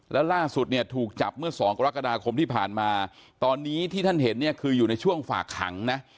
แล้วล่าสุดเนี่ยถูกจับเมื่อสองกรกฎาคมที่ผ่านมาตอนนี้ที่ท่านเห็นเนี่ยคืออยู่ในช่วงฝากขังนะ